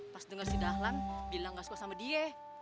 pas dengar si dahlan bilang gak suka sama dia